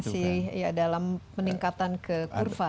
masih ya dalam peningkatan ke kurva